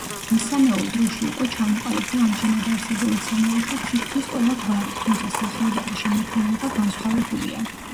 მესამეულ დროში უკვე ჩამოყალიბდა ამჟამად არსებულ მცენარეთა თითქმის ყველა გვარი, თუმცა სახეობათა შემადგენლობა განსხვავებულია.